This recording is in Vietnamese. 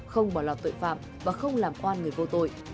không bỏ lọt tội phạm và không làm oan người vô tội